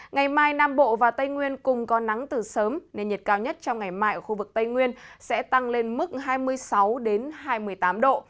ngày mai nam bộ và tây nguyên cùng có nắng từ sớm nên nhiệt cao nhất trong ngày mai ở khu vực tây nguyên sẽ tăng lên mức hai mươi sáu hai mươi tám độ